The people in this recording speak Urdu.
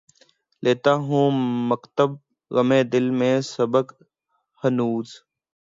لیتا ہوں مکتبِ غمِ دل میں سبق ہنوز